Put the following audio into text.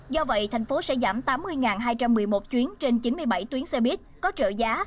do vậy thành phố sẽ giảm tám mươi hai trăm một mươi một chuyến trên chín mươi bảy tuyến xe buýt có trợ giá